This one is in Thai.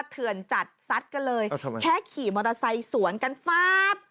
เถื่อนจัดซัดกันเลยแค่ขี่มอเตอร์ไซค์สวนกันฟาบ